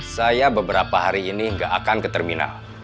saya beberapa hari ini tidak akan ke terminal